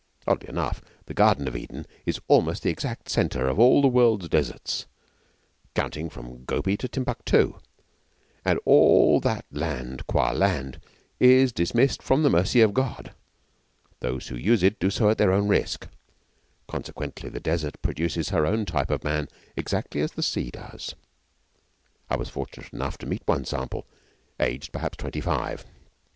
Oddly enough, the Garden of Eden is almost the exact centre of all the world's deserts, counting from Gobi to Timbuctoo; and all that land qua land is 'dismissed from the mercy of God.' Those who use it do so at their own risk. Consequently the Desert produces her own type of man exactly as the sea does. I was fortunate enough to meet one sample, aged perhaps twenty five.